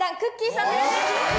さんです